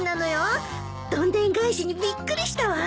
どんでん返しにびっくりしたわ。